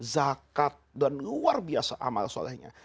zakat dan luar biasa amal solehnya